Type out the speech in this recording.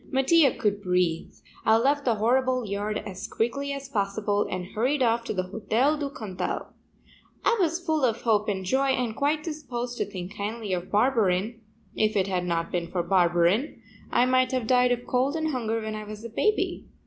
Mattia could breathe. I left the horrible yard as quickly as possible and hurried off to the Hotel du Cantal. I was full of hope and joy and quite disposed to think kindly of Barberin; if it had not been for Barberin, I might have died of cold and hunger when I was a baby.